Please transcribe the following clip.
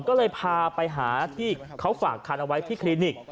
ก็เลยพาไปหาที่เขาฝากคันเอาไว้ที่คลินิก